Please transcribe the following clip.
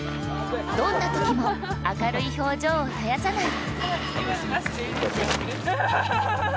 どんなときも明るい表情を絶やさない。